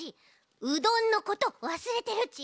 うどんのことわすれてるち！